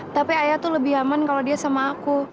tapi ayah tuh lebih aman kalau dia sama aku